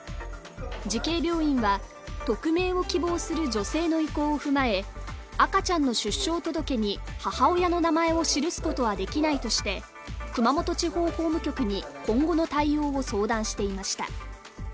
慈恵病院は匿名を希望する女性の意向を踏まえ、赤ちゃんの出生届に母親の名前を記すことはできないとして、熊本地方法務局に今後の対応を相談していました。